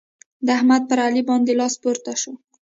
د احمد پر علي باندې لاس پورته شو.